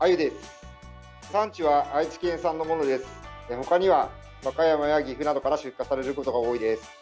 ほかには和歌山や岐阜などから出荷されることが多いです。